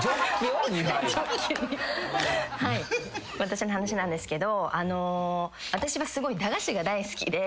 私の話なんですけどあの私はすごい駄菓子が大好きで。